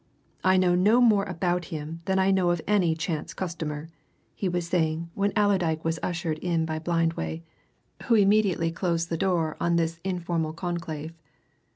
"I know no more about him than I know of any chance customer," he was saying when Allerdyke was ushered in by Blindway, who immediately closed the door on this informal conclave.